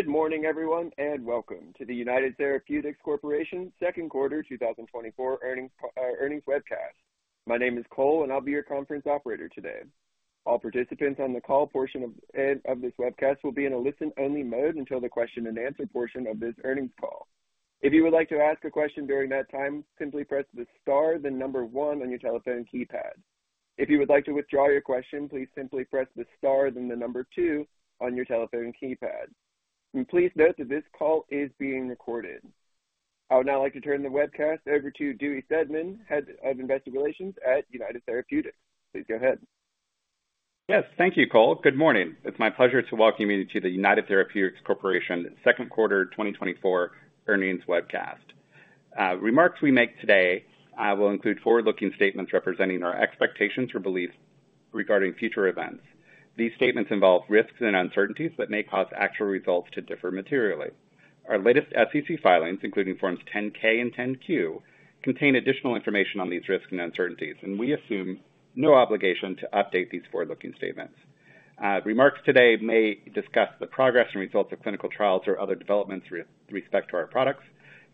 Good morning, everyone, and welcome to the United Therapeutics Corporation Second Quarter 2024 Earnings Webcast. My name is Cole, and I'll be your conference operator today. All participants on the call portion of this webcast will be in a listen-only mode until the question and answer portion of this earnings call. If you would like to ask a question during that time, simply press the star, then number one on your telephone keypad. If you would like to withdraw your question, please simply press the star, then the number two on your telephone keypad. And please note that this call is being recorded. I would now like to turn the webcast over to Dewey Steadman, Head of Investor Relations at United Therapeutics. Please go ahead. Yes, thank you, Cole. Good morning. It's my pleasure to welcome you to the United Therapeutics Corporation Second Quarter 2024 Earnings Webcast. Remarks we make today will include forward-looking statements representing our expectations or beliefs regarding future events. These statements involve risks and uncertainties that may cause actual results to differ materially. Our latest SEC filings, including Forms 10-K and 10-Q, contain additional information on these risks and uncertainties, and we assume no obligation to update these forward-looking statements. Remarks today may discuss the progress and results of clinical trials or other developments respect to our products,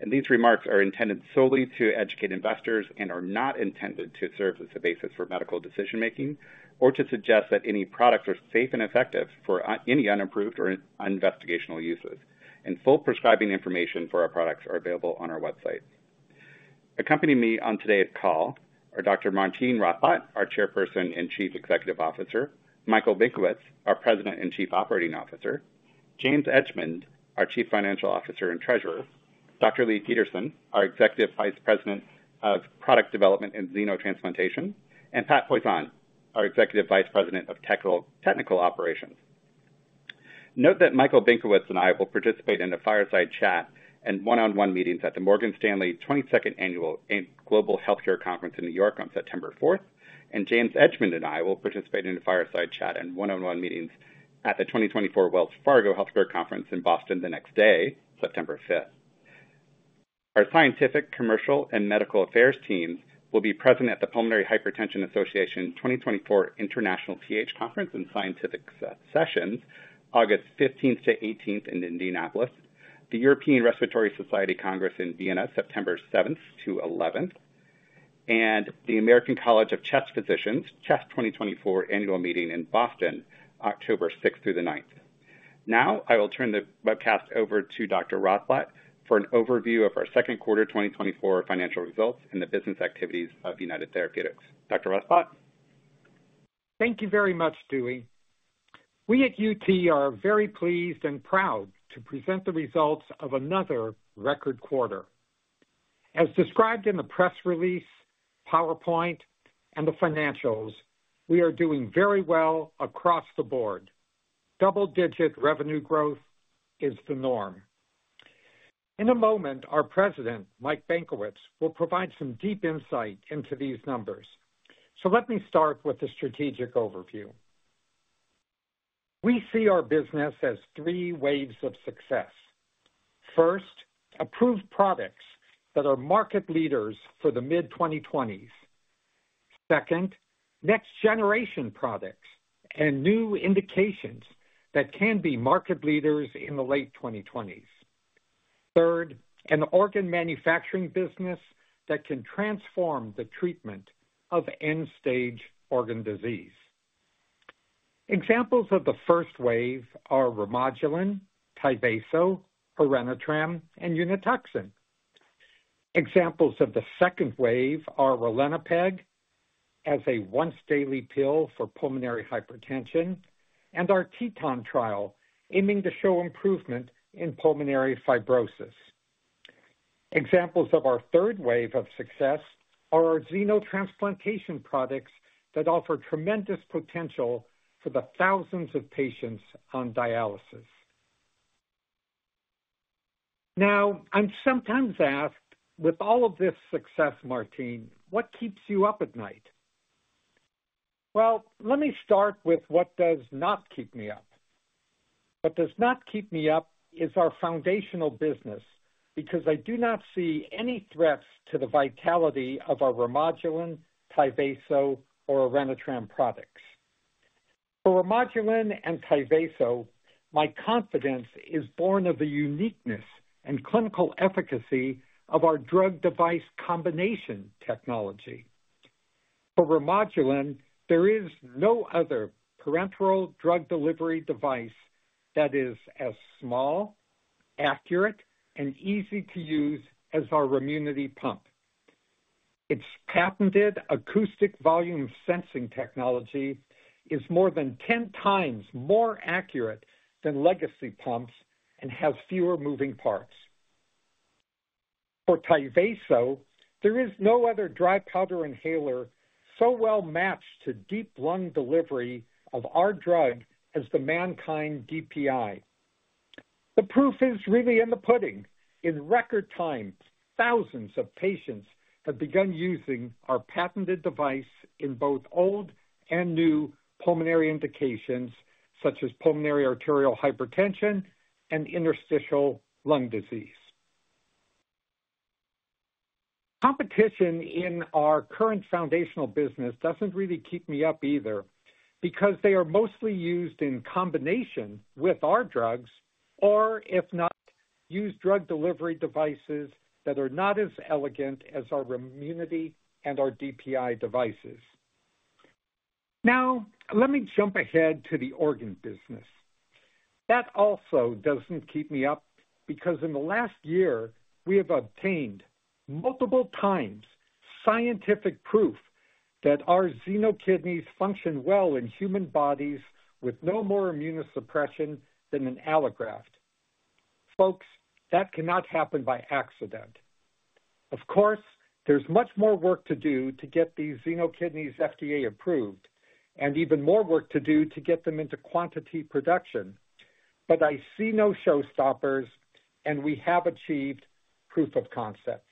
and these remarks are intended solely to educate investors and are not intended to serve as the basis for medical decision-making or to suggest that any products are safe and effective for any unapproved or investigational uses. Full prescribing information for our products are available on our website. Accompanying me on today's call are Dr. Martine Rothblatt, our Chairperson and Chief Executive Officer, Michael Benkowitz, our President and Chief Operating Officer, James Edgemond, our Chief Financial Officer and Treasurer, Dr. Leigh Peterson, our Executive Vice President of Product Development and Xenotransplantation, and Pat Poisson, our Executive Vice President of Technical Operations. Note that Michael Benkowitz and I will participate in a fireside chat and one-on-one meetings at the Morgan Stanley 22nd Annual Global Healthcare Conference in New York on September 4th, and James Edgemond and I will participate in a fireside chat and one-on-one meetings at the 2024 Wells Fargo Healthcare Conference in Boston the next day, September 5th. Our scientific, commercial, and medical affairs teams will be present at the Pulmonary Hypertension Association 2024 International PH Conference and Scientific Sessions, August 15th to 18th in Indianapolis, the European Respiratory Society Congress in Vienna, September 7th to 11th, and the American College of Chest Physicians, CHEST 2024 annual meeting in Boston, October 6th to the 9th. Now, I will turn the webcast over to Dr. Rothblatt for an overview of our second quarter 2024 financial results and the business activities of United Therapeutics. Dr. Rothblatt? Thank you very much, Dewey. We at UT are very pleased and proud to present the results of another record quarter. As described in the press release, PowerPoint, and the financials, we are doing very well across the board. Double-digit revenue growth is the norm. In a moment, our President, Mike Benkowitz, will provide some deep insight into these numbers. Let me start with a strategic overview. We see our business as three waves of success. First, approved products that are market leaders for the mid-2020s. Second, next generation products and new indications that can be market leaders in the late 2020s. Third, an organ manufacturing business that can transform the treatment of end-stage organ disease. Examples of the first wave are Remodulin, Tyvaso, Orenitram, and Unituxin. Examples of the second wave are Ralinepag as a once-daily pill for pulmonary hypertension, and our TETON trial, aiming to show improvement in pulmonary fibrosis. Examples of our third wave of success are our xenotransplantation products that offer tremendous potential for the thousands of patients on dialysis. Now, I'm sometimes asked, "With all of this success, Martine, what keeps you up at night?" Well, let me start with what does not keep me up. What does not keep me up is our foundational business, because I do not see any threats to the vitality of our Remodulin, Tyvaso, or Orenitram products. For Remodulin and Tyvaso, my confidence is born of the uniqueness and clinical efficacy of our drug device combination technology. For Remodulin, there is no other parenteral drug delivery device that is as small, accurate, and easy to use as our Remunity pump. Its patented acoustic volume sensing technology is more than 10 times more accurate than legacy pumps and has fewer moving parts. For Tyvaso, there is no other dry powder inhaler so well matched to deep lung delivery of our drug as the MannKind DPI. The proof is really in the pudding. In record times, thousands of patients have begun using our patented device in both old and new pulmonary indications, such as pulmonary arterial hypertension and interstitial lung disease.... Competition in our current foundational business doesn't really keep me up either, because they are mostly used in combination with our drugs, or if not, use drug delivery devices that are not as elegant as our Remunity and our DPI devices. Now, let me jump ahead to the organ business. That also doesn't keep me up, because in the last year, we have obtained multiple times scientific proof that our Xeno kidneys function well in human bodies with no more immunosuppression than an allograft. Folks, that cannot happen by accident. Of course, there's much more work to do to get these Xeno kidneys FDA approved, and even more work to do to get them into quantity production. But I see no showstoppers, and we have achieved proof of concept.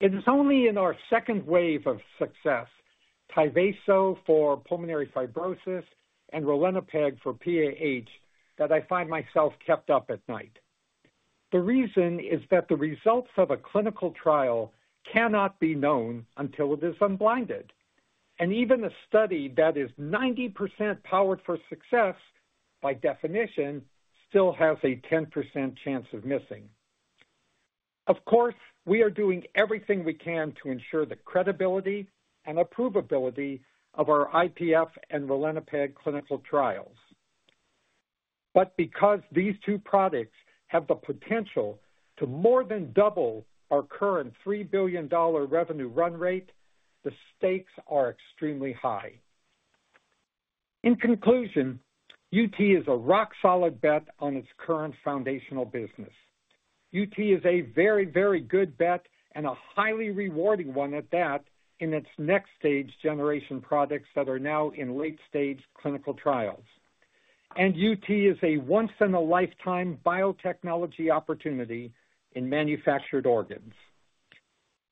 It is only in our second wave of success, Tyvaso for pulmonary fibrosis and Ralinepag for PAH, that I find myself kept up at night. The reason is that the results of a clinical trial cannot be known until it is unblinded, and even a study that is 90% powered for success, by definition, still has a 10% chance of missing. Of course, we are doing everything we can to ensure the credibility and approvability of our IPF and Ralinepag clinical trials. But because these two products have the potential to more than double our current $3 billion revenue run rate, the stakes are extremely high. In conclusion, UT is a rock-solid bet on its current foundational business. UT is a very, very good bet and a highly rewarding one at that, in its next stage generation products that are now in late-stage clinical trials. And UT is a once-in-a-lifetime biotechnology opportunity in manufactured organs.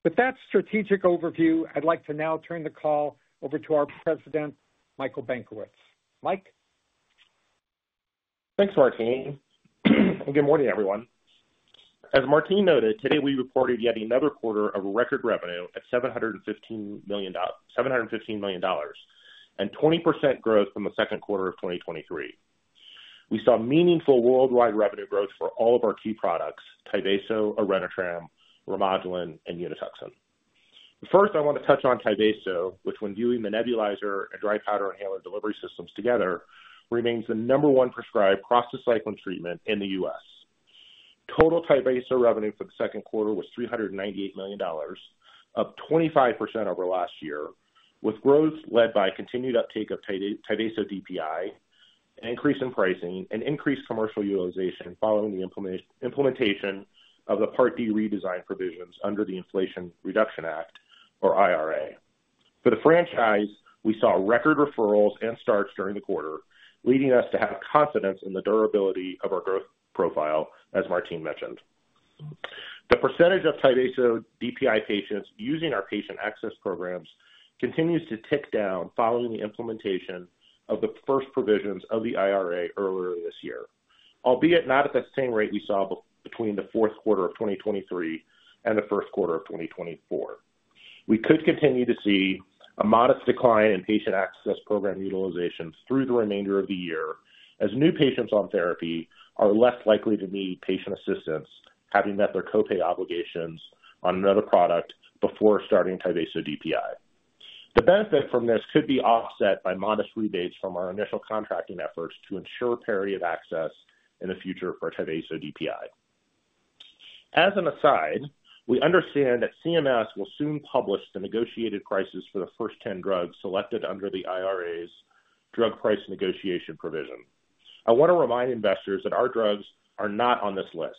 With that strategic overview, I'd like to now turn the call over to our President, Michael Benkowitz. Mike? Thanks, Martine. And good morning, everyone. As Martine noted, today, we reported yet another quarter of record revenue at $715 million, and 20% growth from the second quarter of 2023. We saw meaningful worldwide revenue growth for all of our key products, Tyvaso, Orenitram, Remodulin, and Unituxin. First, I want to touch on Tyvaso, which when viewing the nebulizer and dry powder inhaler delivery systems together, remains the number one prescribed prostacyclin treatment in the U.S. Total Tyvaso revenue for the second quarter was $398 million, up 25% over last year, with growth led by continued uptake of Tyvaso DPI, an increase in pricing and increased commercial utilization following the implementation of the Part D redesign provisions under the Inflation Reduction Act or IRA. For the franchise, we saw record referrals and starts during the quarter, leading us to have confidence in the durability of our growth profile, as Martine mentioned. The percentage of Tyvaso DPI patients using our patient access programs continues to tick down following the implementation of the first provisions of the IRA earlier this year, albeit not at the same rate we saw between the fourth quarter of 2023 and the first quarter of 2024. We could continue to see a modest decline in patient access program utilization through the remainder of the year, as new patients on therapy are less likely to need patient assistance, having met their copay obligations on another product before starting Tyvaso DPI. The benefit from this could be offset by modest rebates from our initial contracting efforts to ensure period access in the future for Tyvaso DPI. As an aside, we understand that CMS will soon publish the negotiated prices for the first 10 drugs selected under the IRA's drug price negotiation provision. I want to remind investors that our drugs are not on this list.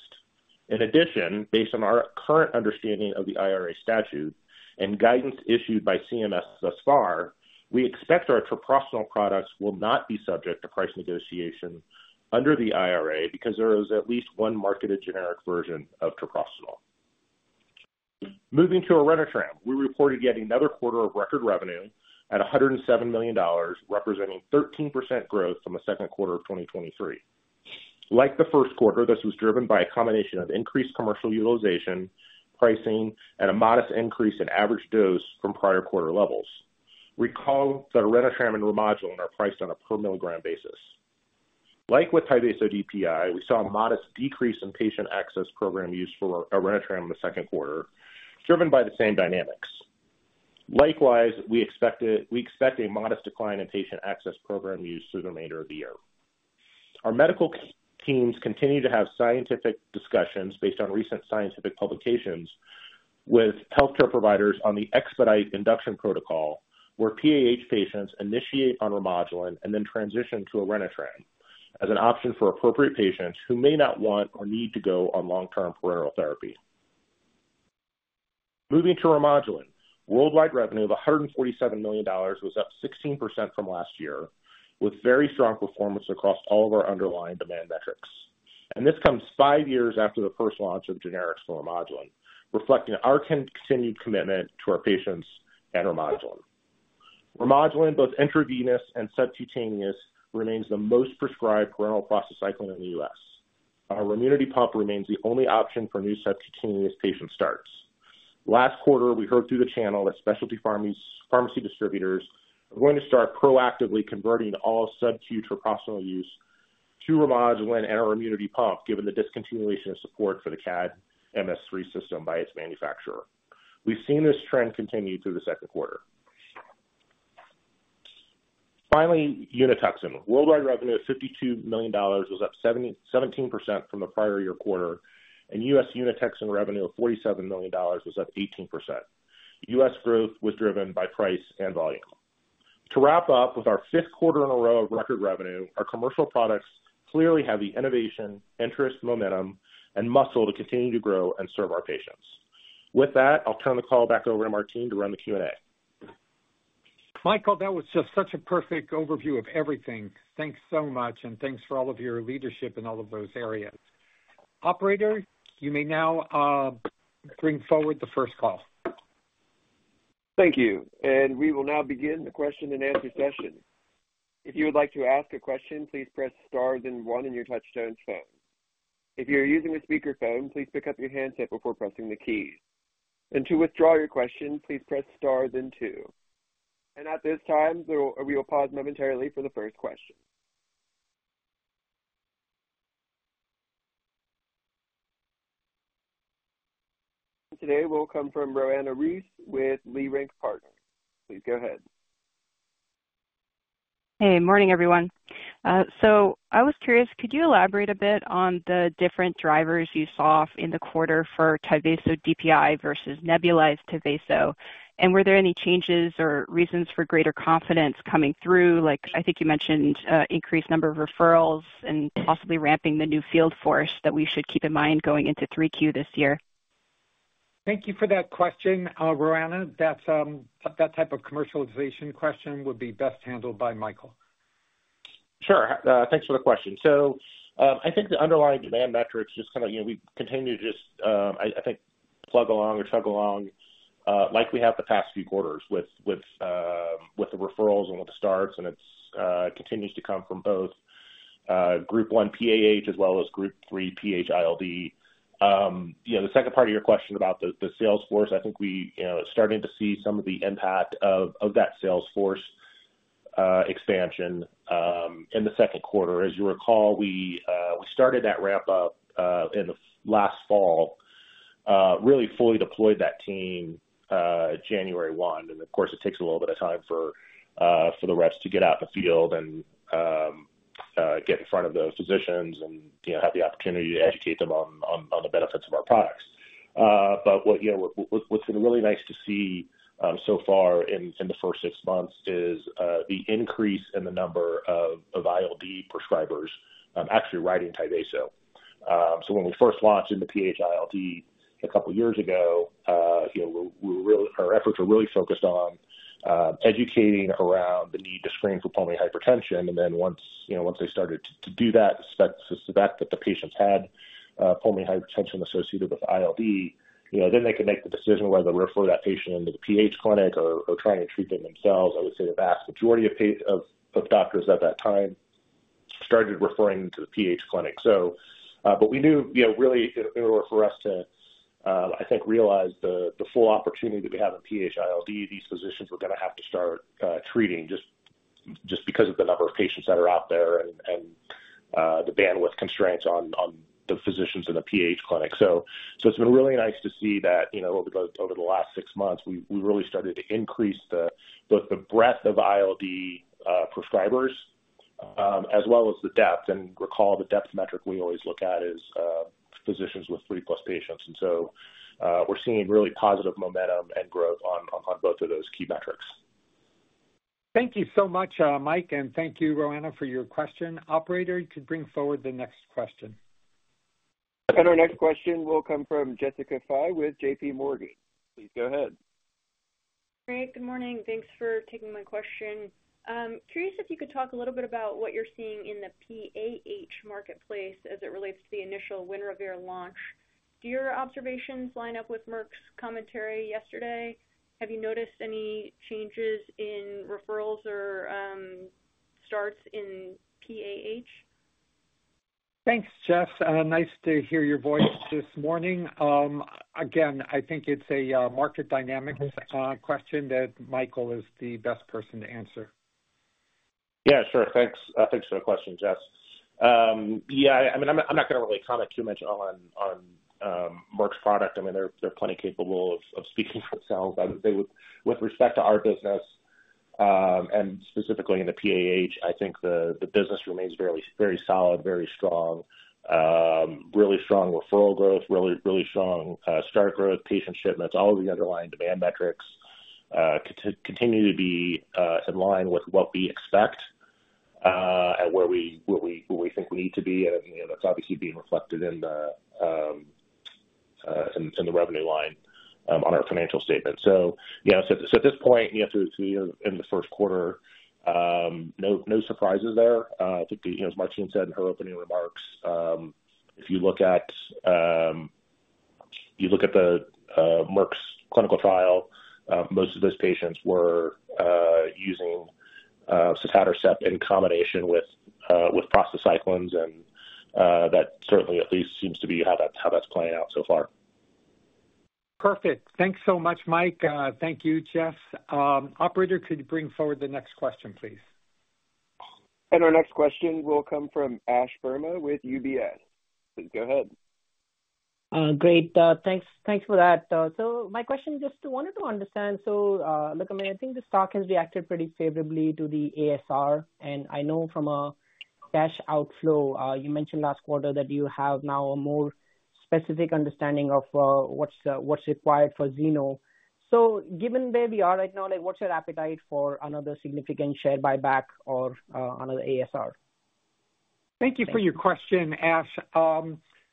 In addition, based on our current understanding of the IRA statute and guidance issued by CMS thus far, we expect our treprostinil products will not be subject to price negotiation under the IRA because there is at least one marketed generic version of treprostinil. Moving to Orenitram, we reported yet another quarter of record revenue at $107 million, representing 13% growth from the second quarter of 2023. Like the first quarter, this was driven by a combination of increased commercial utilization, pricing, and a modest increase in average dose from prior quarter levels. Recall that Orenitram and Remodulin are priced on a per basis. Like with Tyvaso DPI, we saw a modest decrease in patient access program use for Orenitram in the second quarter, driven by the same dynamics. Likewise, we expect a modest decline in patient access program use through the remainder of the year. Our medical teams continue to have scientific discussions based on recent scientific publications with healthcare providers on the EXPEDITE induction protocol, where PAH patients initiate on Remodulin and then transition to Orenitram as an option for appropriate patients who may not want or need to go on long-term parenteral therapy. Moving to Remodulin. Worldwide revenue of $147 million was up 16% from last year, with very strong performance across all of our underlying demand metrics. This comes 5 years after the first launch of generic Remodulin, reflecting our continued commitment to our patients and Remodulin. Remodulin, both intravenous and subcutaneous, remains the most prescribed parenteral prostacyclin in the US. Our Remunity pump remains the only option for new subcutaneous patient starts. Last quarter, we heard through the channel that specialty pharmacies, pharmacy distributors are going to start proactively converting all sub-Q treprostinil use to Remodulin and our Remunity pump, given the discontinuation of support for the CADD-MS3 system by its manufacturer. We've seen this trend continue through the second quarter. Finally, Unituxin. Worldwide revenue of $52 million was up 77% from the prior year quarter, and US Unituxin revenue of $47 million was up 18%. US growth was driven by price and volume. To wrap up, with our fifth quarter in a row of record revenue, our commercial products clearly have the innovation, interest, momentum, and muscle to continue to grow and serve our patients. With that, I'll turn the call back over to Martine to run the Q&A. Michael, that was just such a perfect overview of everything. Thanks so much, and thanks for all of your leadership in all of those areas. Operator, you may now bring forward the first call. Thank you, and we will now begin the question and answer session. If you would like to ask a question, please press star then one in your touchtone phone. If you're using a speakerphone, please pick up your handset before pressing the keys. And to withdraw your question, please press star then two. And at this time, we will pause momentarily for the first question. Today will come from Roanna Ruiz with Leerink Partners. Please go ahead. Hey, morning, everyone. So I was curious, could you elaborate a bit on the different drivers you saw in the quarter for Tyvaso DPI versus nebulized Tyvaso? And were there any changes or reasons for greater confidence coming through? Like, I think you mentioned, increased number of referrals and possibly ramping the new field force that we should keep in mind going into three Q this year. Thank you for that question, Roanna. That's that type of commercialization question would be best handled by Michael. Sure. Thanks for the question. So, I think the underlying demand metrics just kinda, you know, we continue to just, I think, plug along or chug along, like we have the past few quarters with the referrals and with the starts, and it continues to come from both, Group 1 PAH as well as Group 3 PH-ILD. You know, the second part of your question about the sales force, I think we, you know, are starting to see some of the impact of that sales force expansion, in the second quarter. As you recall, we started that ramp up, in the last fall, really fully deployed that team, January 1. And of course, it takes a little bit of time for the reps to get out in the field and get in front of the physicians and, you know, have the opportunity to educate them on the benefits of our products. But what, you know, what's been really nice to see so far in the first six months is the increase in the number of ILD prescribers actually writing Tyvaso. So when we first launched in the PH-ILD a couple of years ago, you know, our efforts were really focused on educating around the need to screen for pulmonary hypertension. And then once, you know, once they started to do that, suspect that the patients had pulmonary hypertension associated with ILD, you know, then they could make the decision whether to refer that patient into the PH clinic or try and treat them themselves. I would say the vast majority of doctors at that time started referring to the PH clinic. So, but we knew, you know, really in order for us to, I think, realize the full opportunity that we have in PH-ILD, these physicians were gonna have to start treating just because of the number of patients that are out there and the bandwidth constraints on the physicians in the PH clinic. So it's been really nice to see that, you know, over the last 6 months, we really started to increase both the breadth of ILD prescribers as well as the depth. And recall, the depth metric we always look at is physicians with 30-plus patients. And so, we're seeing really positive momentum and growth on both of those key metrics. Thank you so much, Mike, and thank you, Roanna, for your question. Operator, could you bring forward the next question? Our next question will come from Jessica Fye with JPMorgan. Please go ahead. Great. Good morning. Thanks for taking my question. Curious if you could talk a little bit about what you're seeing in the PAH marketplace as it relates to the initial WINREVAIR launch. Do your observations line up with Merck's commentary yesterday? Have you noticed any changes in referrals or, starts in PAH? Thanks, Jess. Nice to hear your voice this morning. Again, I think it's a market dynamics question that Michael is the best person to answer. Yeah, sure. Thanks, thanks for the question, Jess. Yeah, I mean, I'm not, I'm not gonna really comment too much on, on, Merck's product. I mean, they're, they're plenty capable of, of speaking for themselves. But with respect to our business, and specifically in the PAH, I think the, the business remains very, very solid, very strong. Really strong referral growth, really, really strong, start growth, patient shipments, all of the underlying demand metrics, continue to be, in line with what we expect, what we think we need to be. And, you know, that's obviously being reflected in the, in the revenue line, on our financial statement. So, you know, so at this point, you know, through, you know, in the first quarter, no surprises there. I think, you know, as Martine said in her opening remarks, if you look at the Merck's clinical trial, most of those patients were using sotatercept in combination with prostacyclins, and that certainly at least seems to be how that's playing out so far. Perfect. Thanks so much, Mike. Thank you, Jeff. Operator, could you bring forward the next question, please? Our next question will come from Ash Verma with UBS. Please go ahead. Great. Thanks, thanks for that. So my question, just wanted to understand. So, look, I mean, I think the stock has reacted pretty favorably to the ASR, and I know from a cash outflow, you mentioned last quarter that you have now a more specific understanding of, what's, what's required for xeno. So given where we are right now, like, what's your appetite for another significant share buyback or, another ASR? Thank you for your question, Ash.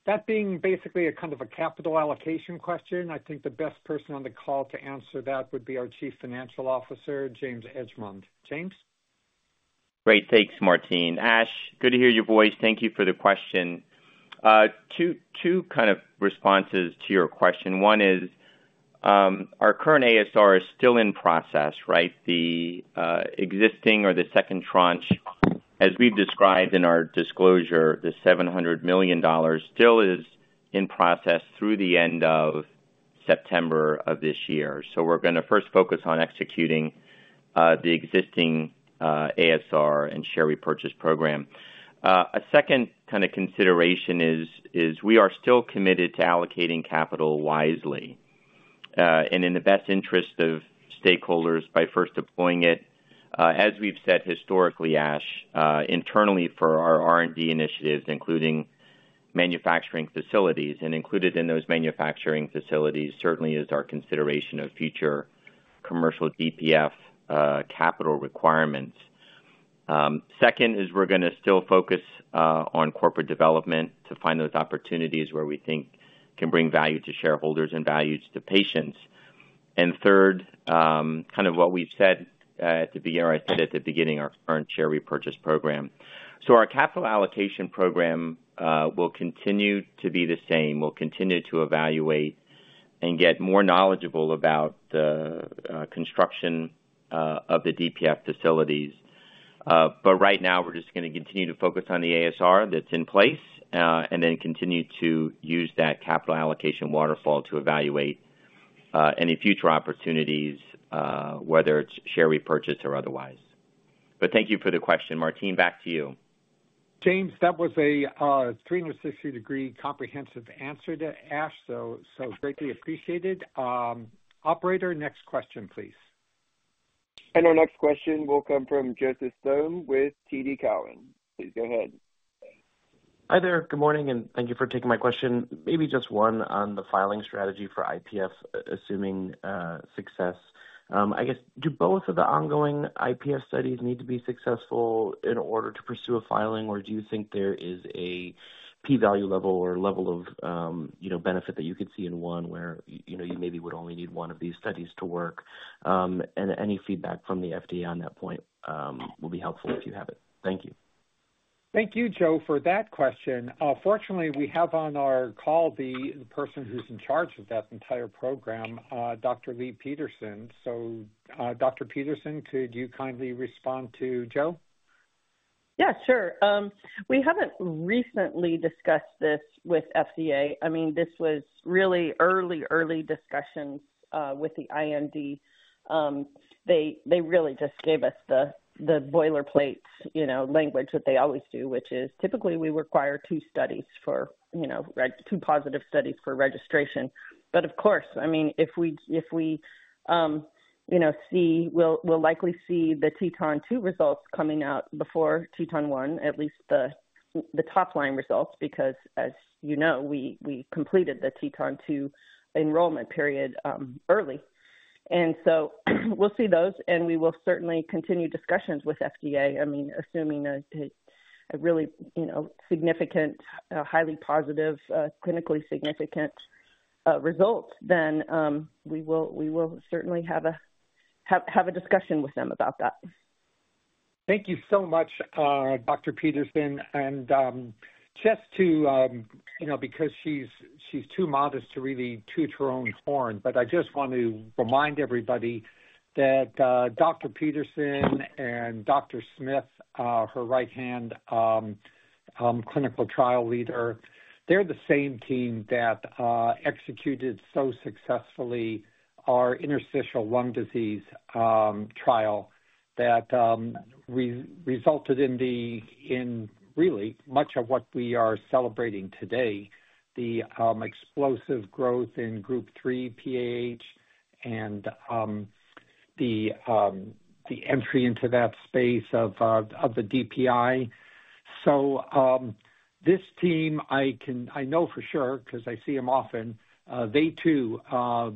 That being basically a kind of a capital allocation question, I think the best person on the call to answer that would be our Chief Financial Officer, James Edgemond. James? Great. Thanks, Martine. Ash, good to hear your voice. Thank you for the question. Two kind of responses to your question. One is, our current ASR is still in process, right? The existing or the second tranche, as we've described in our disclosure, the $700 million still is in process through the end of September of this year. So we're gonna first focus on executing the existing ASR and share repurchase program. A second kind of consideration is, we are still committed to allocating capital wisely and in the best interest of stakeholders by first deploying it, as we've said historically, Ash, internally for our R&D initiatives, including manufacturing facilities. And included in those manufacturing facilities, certainly is our consideration of future commercial DPI capital requirements. Second is we're gonna still focus on corporate development to find those opportunities where we think can bring value to shareholders and values to patients. And third, kind of what we've said at the beginning, I said at the beginning, our current share repurchase program. So our capital allocation program will continue to be the same. We'll continue to evaluate and get more knowledgeable about the construction of the DPF facilities. But right now, we're just gonna continue to focus on the ASR that's in place, and then continue to use that capital allocation waterfall to evaluate any future opportunities, whether it's share repurchase or otherwise. But thank you for the question. Martine, back to you. James, that was a 360-degree comprehensive answer to Ash, so, so greatly appreciated. Operator, next question, please. Our next question will come from Joseph Thome with TD Cowen. Please go ahead. Hi there. Good morning, and thank you for taking my question. Maybe just one on the filing strategy for IPF, assuming success. I guess, do both of the ongoing IPF studies need to be successful in order to pursue a filing? Or do you think there is a p-value level or level of, you know, benefit that you could see in one where, you know, you maybe would only need one of these studies to work? And any feedback from the FDA on that point will be helpful if you have it. Thank you. Thank you, Joe, for that question. Fortunately, we have on our call the person who's in charge of that entire program, Dr. Leigh Peterson. So, Dr. Peterson, could you kindly respond to Joe? Yeah, sure. We haven't recently discussed this with FDA. I mean, this was really early, early discussions with the IND. They really just gave us the boilerplate, you know, language that they always do, which is typically we require two studies for, you know, two positive studies for registration. But of course, I mean, if we, if we, you know, see, we'll, we'll likely see the TETON-2 results coming out before TETON-1, at least the top-line results, because as you know, we completed the TETON-2 enrollment period early. And so we'll see those, and we will certainly continue discussions with FDA. I mean, assuming a really, you know, significant, highly positive, clinically significant results, then we will certainly have a discussion with them about that. Thank you so much, Dr. Peterson. And, just to, you know, because she's too modest to really toot her own horn, but I just want to remind everybody that, Dr. Peterson and Dr. Smith, her right hand, clinical trial leader, they're the same team that executed so successfully our interstitial lung disease trial, that resulted in really much of what we are celebrating today, the explosive growth in Group 3 PAH and the entry into that space of the DPI. So, this team, I know for sure, 'cause I see them often, they too,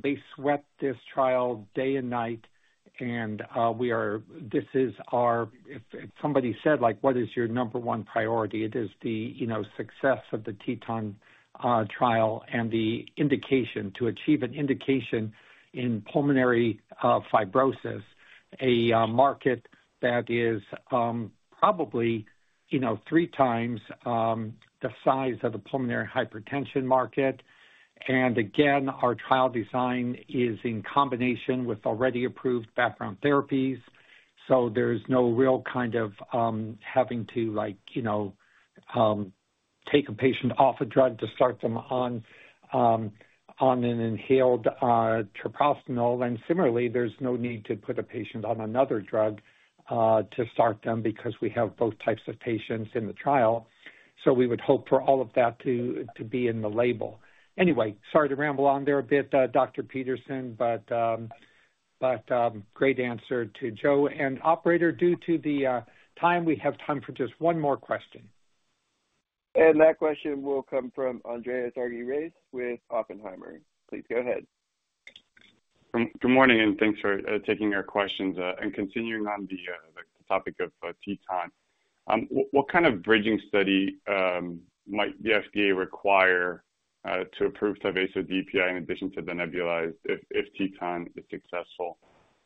they swept this trial day and night, and we are, this is our... If somebody said, like, "What is your number one priority?" It is the you know success of the TETON trial and the indication to achieve an indication in pulmonary fibrosis, a market that is probably you know three times the size of the pulmonary hypertension market... And again, our trial design is in combination with already approved background therapies, so there's no real kind of having to, like, you know take a patient off a drug to start them on an inhaled treprostinil. And similarly, there's no need to put a patient on another drug to start them, because we have both types of patients in the trial. So we would hope for all of that to be in the label. Anyway, sorry to ramble on there a bit, Dr. Peterson, great answer to Joe. Operator, due to the time, we have time for just one more question. That question will come from Andreas Argyrides with Oppenheimer. Please go ahead. Good morning, and thanks for taking our questions. And continuing on the topic of TETON. What kind of bridging study might the FDA require to approve Tyvaso DPI in addition to the nebulized if TETON is successful?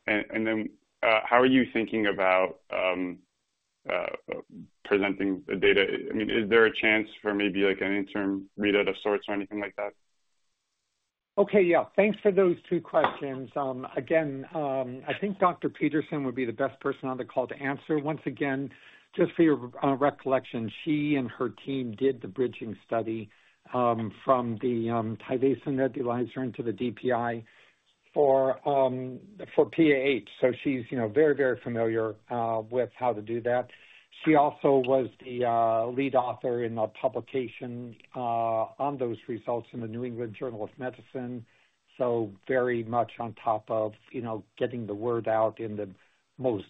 And then, how are you thinking about presenting the data? I mean, is there a chance for maybe, like, an interim readout of sorts or anything like that? Okay. Yeah, thanks for those two questions. Again, I think Dr. Peterson would be the best person on the call to answer. Once again, just for your recollection, she and her team did the bridging study from the Tyvaso nebulizer into the DPI for PAH. So she's, you know, very, very familiar with how to do that. She also was the lead author in the publication on those results in the New England Journal of Medicine, so very much on top of, you know, getting the word out in the most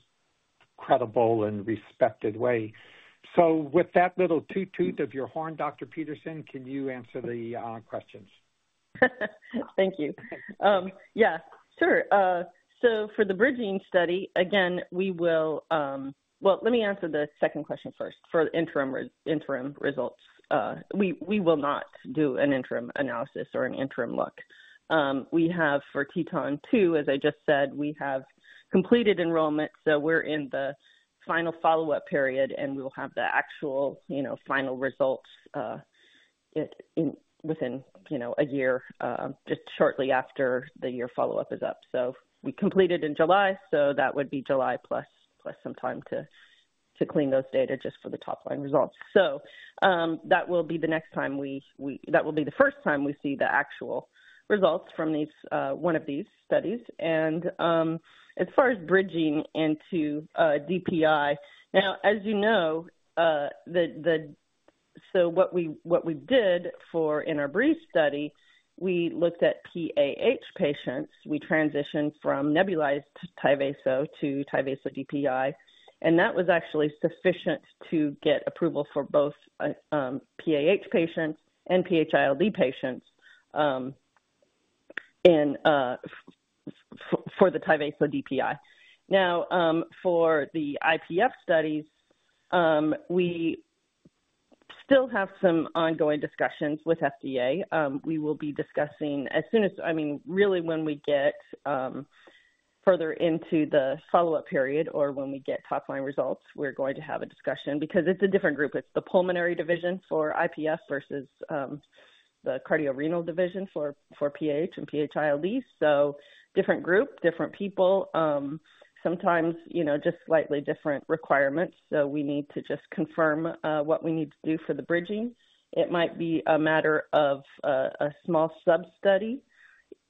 credible and respected way. So with that little toot-toot of your horn, Dr. Peterson, can you answer the questions? Thank you. Yeah, sure. So for the bridging study, again, we will. Well, let me answer the second question first for interim results. We will not do an interim analysis or an interim look. We have for TETON 2, as I just said, we have completed enrollment, so we're in the final follow-up period, and we will have the actual, you know, final results, in, within, you know, a year, just shortly after the year follow-up is up. So we completed in July, so that would be July plus some time to clean those data just for the top-line results. So, that will be the next time we. That will be the first time we see the actual results from these, one of these studies. And, as far as bridging into DPI, now, as you know, So what we did for in our BREEZE study we looked at PAH patients. We transitioned from nebulized Tyvaso to Tyvaso DPI, and that was actually sufficient to get approval for both PAH patients and PHILD patients, and for the Tyvaso DPI. Now, for the IPF studies, we still have some ongoing discussions with FDA. We will be discussing as soon as, I mean, really, when we get further into the follow-up period or when we get top-line results, we're going to have a discussion because it's a different group. It's the pulmonary division for IPF versus the cardiorenal division for PAH and PHILD. So different group, different people, sometimes, you know, just slightly different requirements. We need to just confirm what we need to do for the bridging. It might be a matter of a small sub-study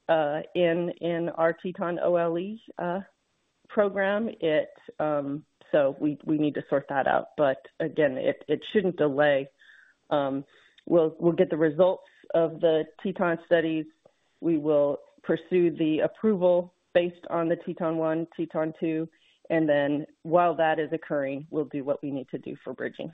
in our TETON OLE program. So we need to sort that out, but again, it shouldn't delay. We'll get the results of the TETON studies. We will pursue the approval based on the TETON 1, TETON 2, and then while that is occurring, we'll do what we need to do for bridging.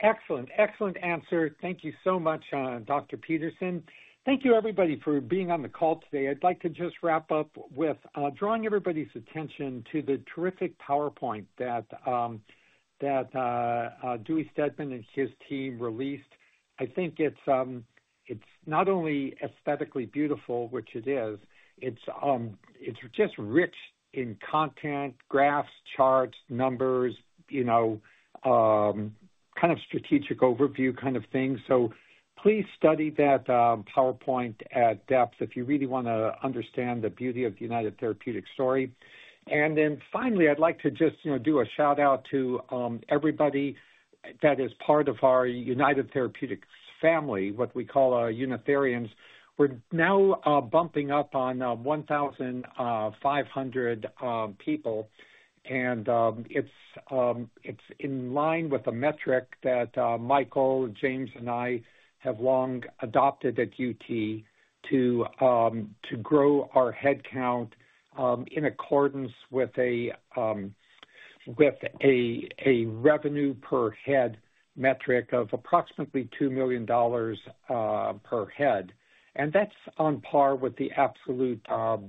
Excellent. Excellent answer. Thank you so much, Dr. Peterson. Thank you, everybody, for being on the call today. I'd like to just wrap up with drawing everybody's attention to the terrific PowerPoint that Dewey Steadman and his team released. I think it's not only aesthetically beautiful, which it is, it's just rich in content, graphs, charts, numbers, you know, kind of strategic overview kind of thing. So please study that PowerPoint at depth if you really wanna understand the beauty of the United Therapeutics story. And then finally, I'd like to just, you know, do a shout-out to everybody that is part of our United Therapeutics family, what we call Unitherians. We're now bumping up on 1,500 people, and it's in line with the metric that Michael, James, and I have long adopted at UT to grow our head count in accordance with a revenue-per-head metric of approximately $2 million per head. And that's on par with the absolute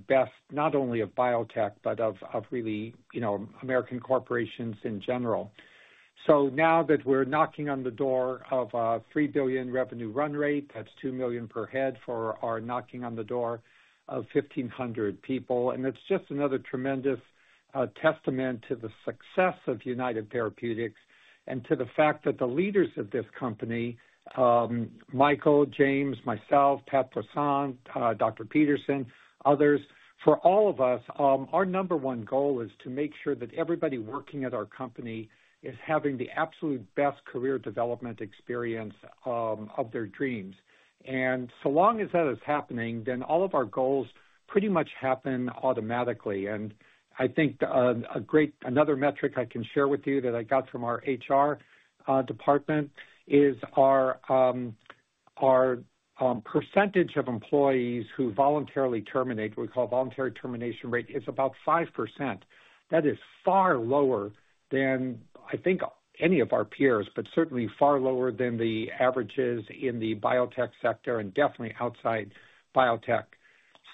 best, not only of biotech, but of really, you know, American corporations in general. So now that we're knocking on the door of a $3 billion revenue run rate, that's $2 million per head for our knocking on the door of 1,500 people, and it's just another tremendous testament to the success of United Therapeutics and to the fact that the leaders of this company, Michael, James, myself, Pat Poisson, Dr. Peterson, others. For all of us, our number one goal is to make sure that everybody working at our company is having the absolute best career development experience of their dreams. And so long as that is happening, then all of our goals pretty much happen automatically. And I think, another metric I can share with you that I got from our HR department is our percentage of employees who voluntarily terminate. We call it voluntary termination rate, is about 5%. That is far lower than, I think, any of our peers, but certainly far lower than the averages in the biotech sector and definitely outside biotech.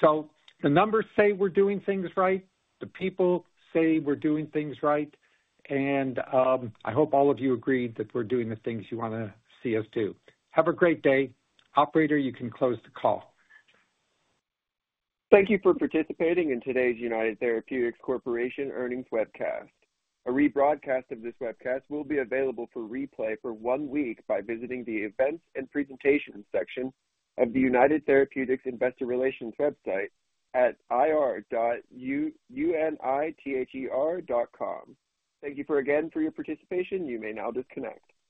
So the numbers say we're doing things right, the people say we're doing things right, and I hope all of you agree that we're doing the things you wanna see us do. Have a great day. Operator, you can close the call. Thank you for participating in today's United Therapeutics Corporation Earnings webcast. A rebroadcast of this webcast will be available for replay for one week by visiting the Events and Presentations section of the United Therapeutics Investor Relations website at ir.unither.com. Thank you again for your participation. You may now disconnect.